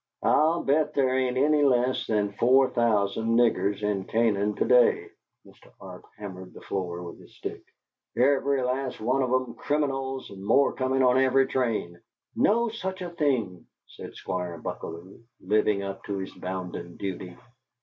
"I'll bet there ain't any less than four thousand niggers in Canaan to day!" Mr. Arp hammered the floor with his stick. "Every last one of 'em criminals, and more comin' on every train." "No such a thing," said Squire Buckalew, living up to his bounden duty.